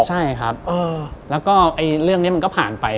ใช่ครับแล้วก็เรื่องนี้มันก็ผ่านไป